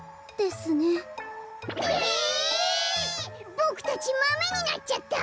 ボクたちマメになっちゃった！？